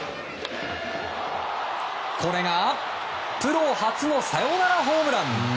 これがプロ初のサヨナラホームラン！